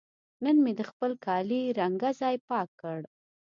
نن مې د خپل کالي رنګه ځای پاک کړ.